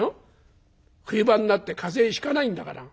冬場になって風邪ひかないんだから。